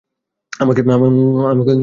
আমাকে থামিয়ে দেখাও।